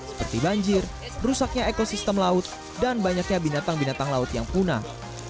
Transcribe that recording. seperti banjir rusaknya ekosistem laut dan banyaknya binatang binatang laut yang punah